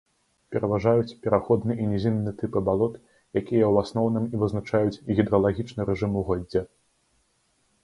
Пераважаюць пераходны і нізінны тыпы балот, якія ў асноўным і вызначаюць гідралагічны рэжым угоддзя.